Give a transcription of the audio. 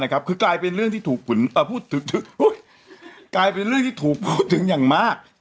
กลายเป็นเรื่องที่ถูกพูดถึงอย่างมาก